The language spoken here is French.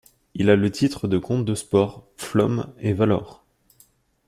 Il a le titre de comte de Spaur, Pflaum et Valor.